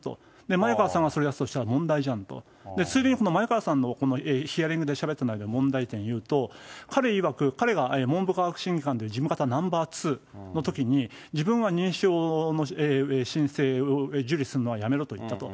前川さんはそれは問題じゃないかと、前川さんのこのヒアリングでしゃべってるの内容の問題点を言うと、彼がこれが文部科学審議官で、事務方ナンバー２のときに自分は認証の申請を受理するのはやめろと言ったと。